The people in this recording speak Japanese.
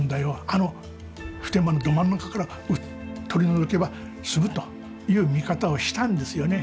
あの普天間のど真ん中から取り除けば済むという見方をしたんですよね